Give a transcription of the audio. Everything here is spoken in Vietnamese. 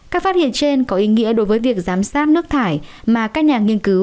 các phát hiện trên có ý nghĩa đối với việc giám sát nước thải mà các nhà nghiên cứu